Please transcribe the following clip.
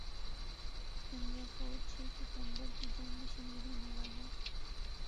ذمرہ فوج چھ ستمبر کی جنگ میں شہید ہونے والوں